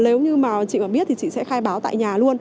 nếu như mà chị có biết thì chị sẽ khai báo tại nhà luôn